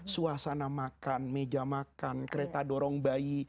suasana makan meja makan kereta dorong bayi